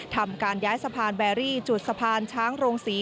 ทำการย้ายสะพานแบรี่จุดสะพานช้างโรงศรี